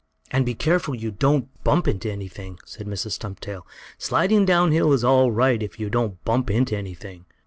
"And be careful you don't bump into anything," said Mrs. Stumptail. "Sliding down hill is all right if you don't bump into anything.